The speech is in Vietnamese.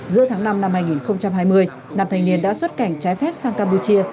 giữa tháng năm năm hai nghìn hai mươi nam thanh niên đã xuất cảnh trái phép sang campuchia